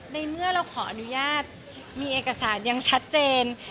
ในเมื่อเราขออนุญาตมีเอกสารยังชัดเจน